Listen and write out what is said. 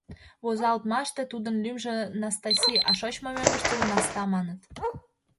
Возалтмаште тудын лӱмжӧ Настаси, а шочмо мӧҥгыштыжӧ Наста маныт.